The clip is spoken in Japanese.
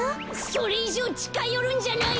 それいじょうちかよるんじゃない！